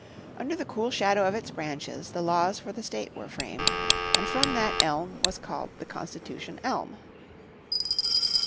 Under the cool shadow of its branches the laws for the state were framed, and from that the elm was called the Constitution Elm.